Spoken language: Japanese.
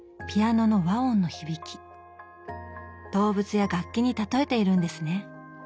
動物や楽器に例えているんですね。